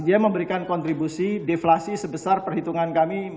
dia memberikan kontribusi deflasi sebesar perhitungan kami